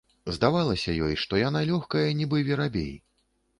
Здавалася ёй, што яна лёгкая, нібы верабей.